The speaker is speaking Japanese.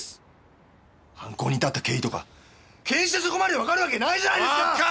犯行に至った経緯とか検視でそこまでわかるわけないじゃないですか！